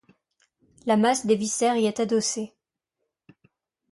La masse des viscères y est adossée.